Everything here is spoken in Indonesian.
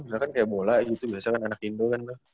karena kan kayak bola gitu biasanya kan anak indo kan